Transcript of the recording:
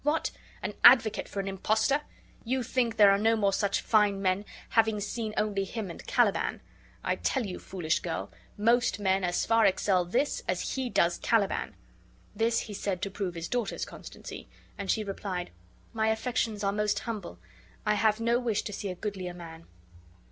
What! an advocate for an impostor! You think there are no more such fine men, having seen only him and Caliban. I tell you, foolish girl, most men as far excel this as he does Calliban." This he said to prove his daughter's constancy; and she replied: "My affections are most humble. I have no wish to see a goodlier man."